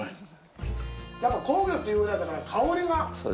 やっぱ香魚っていうぐらいだから香りが。